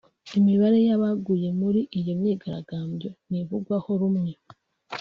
Imibare y’abaguye muri iyo myigaragambyo ntivugwaho rumwe